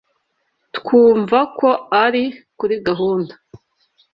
Twumva ko ari kuri gahunda.